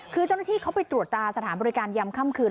คือเจ้าหน้าที่เขาไปตรวจตาสถานบริการยำค่ำคืน